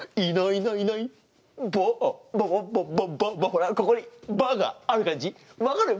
ほらここにバーがある感じ。